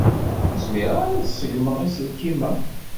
Ur zmireɣ ara ad ṣeggmeɣ aselkim-a.